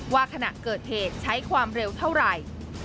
ขณะเกิดเหตุใช้ความเร็วเท่าไหร่